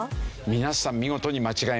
皆さん見事に間違えましたね。